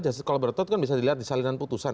justice collaborator itu bisa dilihat di salinan putusan